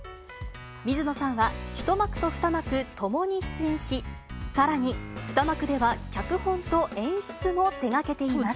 水野さんは１幕と２幕ともに出演し、さらに、２幕では脚本と演出も手がけています。